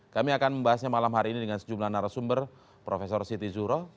kami akan membahasnya malam hari ini dengan sejumlah narasumber prof siti zuro